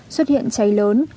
xuất hiện cháy lớn